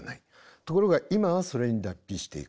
ところが今はそれに脱皮していく。